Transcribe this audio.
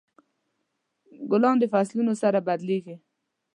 ګلان د فصلونو سره بدلیږي.